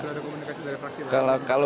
sudah ada komunikasi dari fraksi